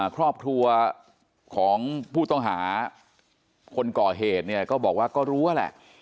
ครอบครัวของผู้ต้องหาคนก่อเหตุเนี่ยก็บอกว่าก็รู้ว่าแหละ